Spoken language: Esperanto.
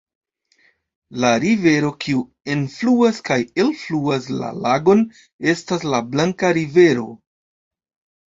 La rivero, kiu enfluas kaj elfluas la lagon, estas la Blanka rivero.